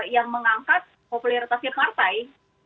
yang mengangkat populeritasnya partai